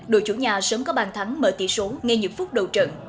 đội chủ nhà sớm có bàn thắng mở tỷ số ngay những phút đầu trận